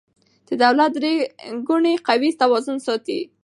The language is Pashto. د دولت درې ګونې قوې توازن ساتي